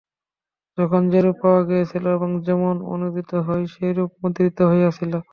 যখন যেরূপ পাওয়া গিয়াছিল এবং যেমন যেমন অনূদিত হয়, সেইরূপ মুদ্রিত হইয়াছিল।